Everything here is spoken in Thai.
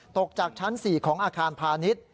ตกจากชั้นอาคารสี่ของอาคารพาณิชย์